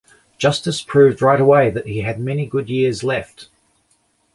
Justice proved right away that he had many good years left.